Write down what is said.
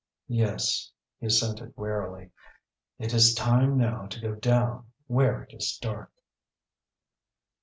"Yes," he assented wearily; "it is time now to go down where it is dark."